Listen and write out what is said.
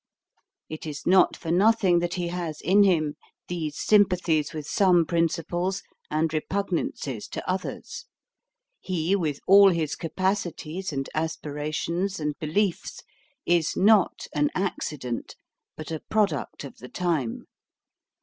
It is not for nothing that he has in him these sympathies with some principles and repugnances to others. He, with all his capacities, and aspirations, and beliefs, is not an accident, but a product of the time.